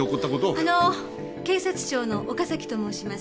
あの警察庁の岡崎と申します。